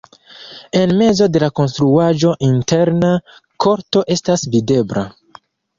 En mezo de la konstruaĵo interna korto estas videbla.